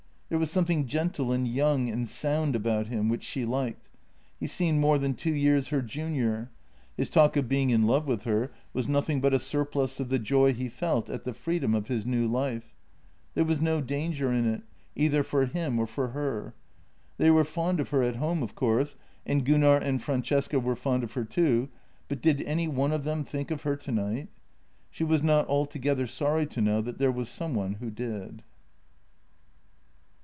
There was something gentle and young and sound about him, which she liked — he seemed more than two years her junior. His talk of being in love with her was nothing but a surplus of the joy he felt at the freedom of his new life. There was no danger in it, either for him or for her. They were fond of her at home, of course, and Gunnar and Francesca were fond of her too, but did any one of them think of her tonight? She was not altogether sorry to know that there was some one who did.